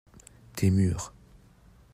Tes murs.